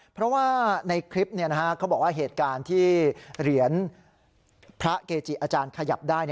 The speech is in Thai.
เพราะว่าในคลิปเขาบอกว่าเหตุการณ์ที่เหรียญพระเกจิอาจารย์ขยับได้